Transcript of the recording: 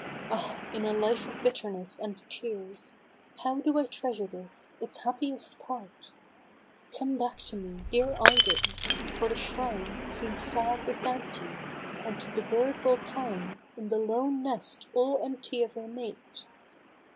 Ah ! in a life of bitterness and tears How do I treasure this — its happiest part ! Come back to me, dear Idol ! for the shrine Seems sad without you, and the bird will pine 122 Alone at the Tryst, In the lone nest all empty of her mate